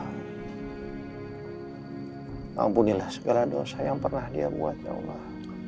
ampunilah segala dosa yang pernah dia buat ya allah